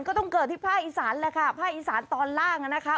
ก็ต้องเกิดที่ภาคอีสานแหละค่ะภาคอีสานตอนล่างนะคะ